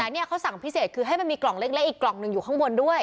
นี่เขาสั่งพิเศษคือให้มันมีกล่องเล็กอีกกล่องหนึ่งอยู่ข้างบนด้วย